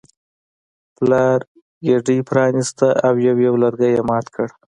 پلار ګېډۍ پرانیسته او یو یو لرګی یې مات کړ.